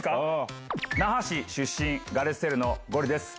那覇市出身ガレッジセールのゴリです。